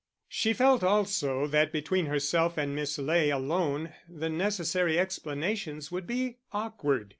She felt also that between herself and Miss Ley alone the necessary explanations would be awkward.